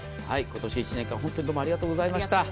今年１年間本当にどうもありがとうございました。